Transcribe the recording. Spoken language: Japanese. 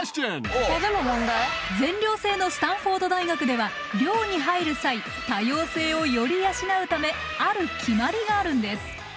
全寮制のスタンフォード大学では寮に入る際多様性をより養うためある決まりがあるんです。